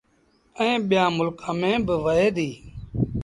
ائيٚݩ ٻيٚآݩ ملڪآݩ ميݩ با وهي ديٚ